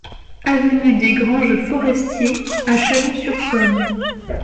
Avenue des Granges Forestiers à Chalon-sur-Saône